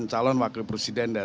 sama tadi mas jokowi